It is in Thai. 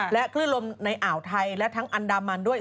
คลื่นลมในอ่าวไทยและทั้งอันดามันด้วย